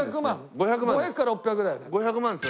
５００か６００だよね？